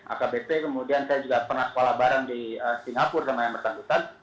akbp kemudian saya juga pernah sekolah bareng di singapura sama yang bersangkutan